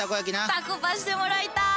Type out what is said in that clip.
たこパしてもらいたい。